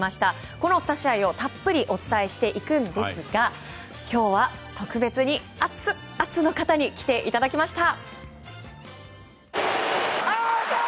この２試合をたっぷりお伝えしていくんですが今日は特別にアツアツの方に来ていただきました。